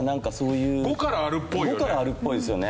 ５からあるっぽいよね。